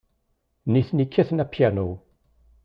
Nitni kkaten apyanu.